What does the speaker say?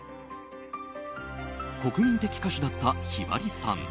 国民的歌手だったひばりさん。